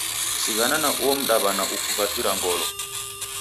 Sighana na uo mdaw'ana ukuvavira ngolo